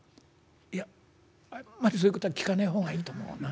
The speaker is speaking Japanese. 「いやまだそういうことは聞かない方がいいと思うな。